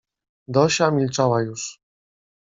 "Dosia milczała już."